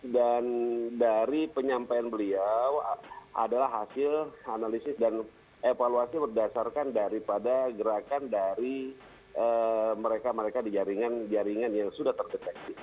dan dari penyampaian beliau adalah hasil analisis dan evaluasi berdasarkan daripada gerakan dari mereka mereka di jaringan jaringan yang sudah terdeteksi